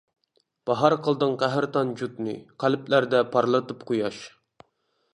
باھار قىلدىڭ قەھرىتان جۇتنى، قەلبلەردە پارلىتىپ قۇياش.